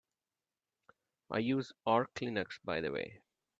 I use Arch Linux by the way.